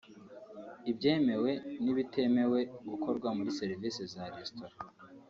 ibyemewe n’ibitemewe gukorwa muri serivisi za restaurant